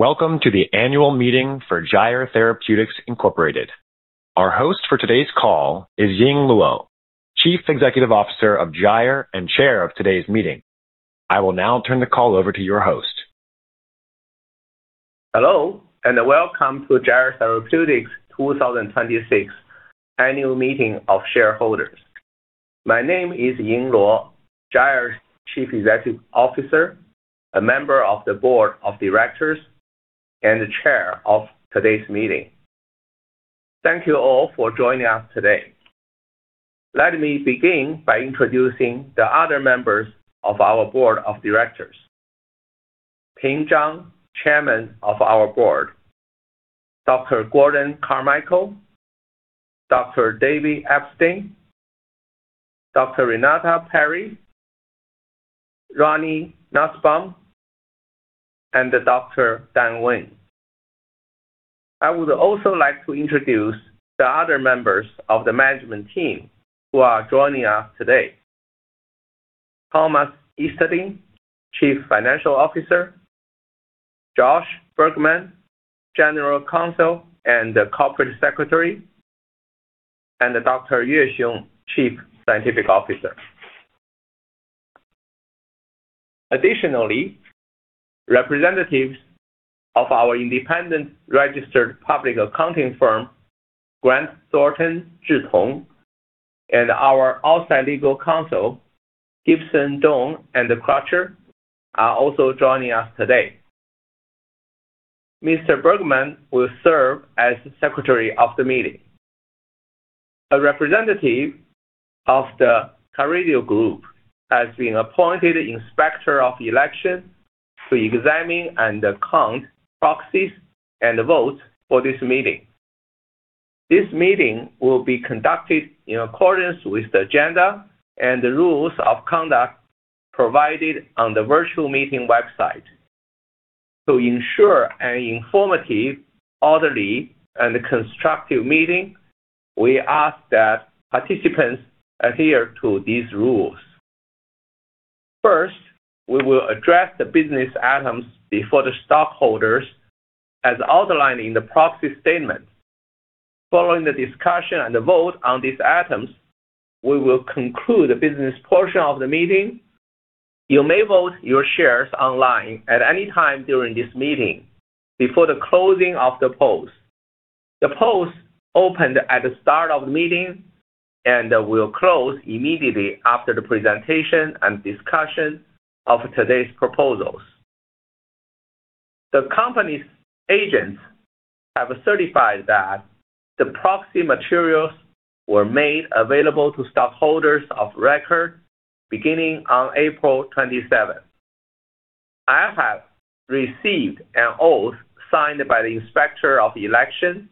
Welcome to the annual meeting for Gyre Therapeutics, Inc. Our host for today's call is Ying Luo, Chief Executive Officer of Gyre and Chair of today's meeting. I will now turn the call over to your host. Hello and welcome to Gyre Therapeutics 2026 Annual Meeting of Shareholders. My name is Ying Luo, Gyre's Chief Executive Officer, a member of the Board of Directors, and the Chair of today's meeting. Thank you all for joining us today. Let me begin by introducing the other members of our Board of Directors. Ping Zhang, Chairman of our board. Dr. Gordon Carmichael, Dr. David Epstein, Dr. Renate Parry, Rodney Nussbaum, and Dr. Dan Weng. I would also like to introduce the other members of the management team who are joining us today. Thomas Eastling, Chief Financial Officer, Josh Bergmann, General Counsel and the Corporate Secretary, and Dr. Yue Xiong, Chief Scientific Officer. Additionally, representatives of our independent registered public accounting firm, Grant Thornton Zhitong, and our outside legal counsel, Gibson, Dunn & Crutcher, are also joining us today. Mr. Bergmann will serve as Secretary of the meeting. A representative of the Carideo Group has been appointed Inspector of Election to examine and count proxies and votes for this meeting. This meeting will be conducted in accordance with the agenda and the rules of conduct provided on the virtual meeting website. To ensure an informative, orderly, and constructive meeting, we ask that participants adhere to these rules. First, we will address the business items before the stockholders as outlined in the proxy statement. Following the discussion and the vote on these items, we will conclude the business portion of the meeting. You may vote your shares online at any time during this meeting before the closing of the polls. The polls opened at the start of the meeting and will close immediately after the presentation and discussion of today's proposals. The company's agents have certified that the proxy materials were made available to stockholders of record beginning on April 27th. I have received an oath signed by the Inspector of Election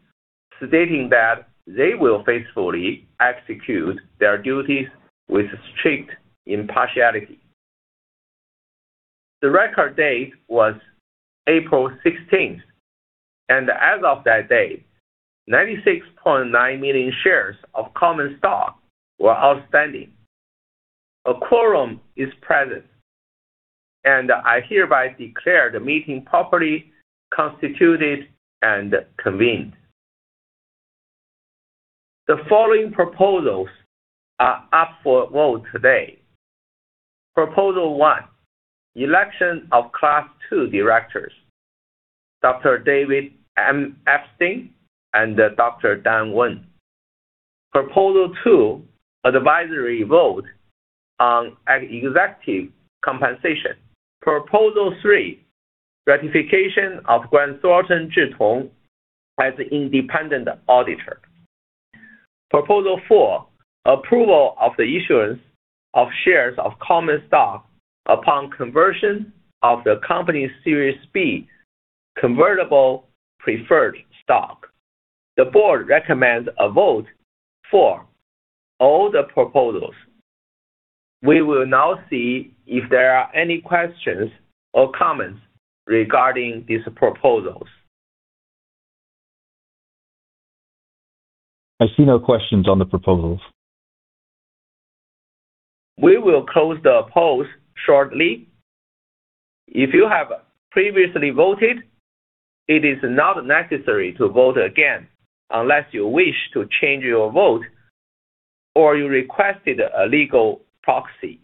stating that they will faithfully execute their duties with strict impartiality. The record date was April 16th, and as of that date, 96.9 million shares of common stock were outstanding. A quorum is present, and I hereby declare the meeting properly constituted and convened. The following proposals are up for vote today. Proposal one, election of Class II directors, Dr. David Epstein and Dr. Dan Weng. Proposal two, advisory vote on executive compensation. Proposal three, ratification of Grant Thornton Zhitong as independent auditor. Proposal four, approval of the issuance of shares of common stock upon conversion of the company's Series B convertible preferred stock. The board recommends a vote for all the proposals. We will now see if there are any questions or comments regarding these proposals. I see no questions on the proposals. We will close the polls shortly. If you have previously voted, it is not necessary to vote again unless you wish to change your vote or you requested a legal proxy.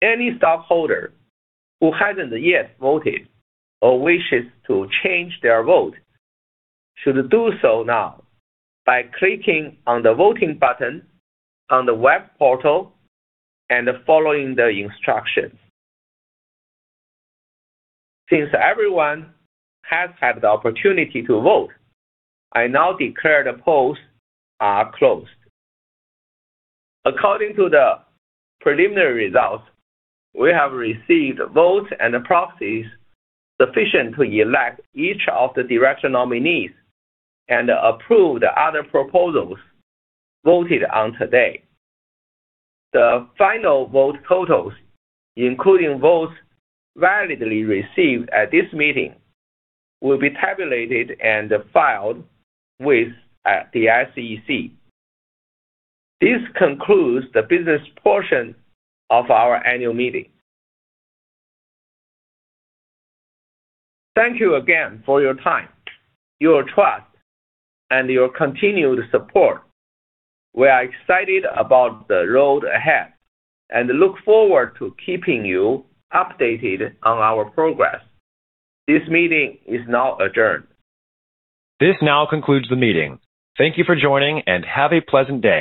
Any stockholder who hasn't yet voted or wishes to change their vote should do so now by clicking on the voting button on the web portal and following the instructions. Since everyone has had the opportunity to vote, I now declare the polls are closed. According to the preliminary results, we have received votes and proxies sufficient to elect each of the director nominees and approve the other proposals voted on today. The final vote totals, including votes validly received at this meeting, will be tabulated and filed with the SEC. This concludes the business portion of our annual meeting. Thank you again for your time, your trust, and your continued support. We are excited about the road ahead and look forward to keeping you updated on our progress. This meeting is now adjourned. This now concludes the meeting. Thank you for joining, and have a pleasant day.